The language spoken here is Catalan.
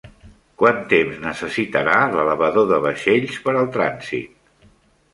Quant temps necessitarà l'elevador de vaixells per al trànsit?